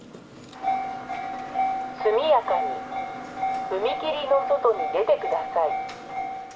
速やかに踏切の外に出てくだ